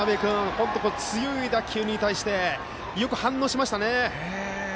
本当、強い打球に対してよく反応しましたね。